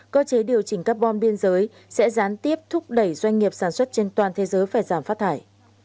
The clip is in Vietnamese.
cơ chế điều chỉnh carbon biên giới sẽ gián tiếp thúc đẩy doanh nghiệp sản xuất trên toàn thế giới phải giảm phát thải